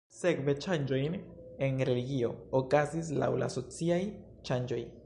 Sekve ŝanĝojn en religio okazis laŭ la sociaj ŝanĝoj.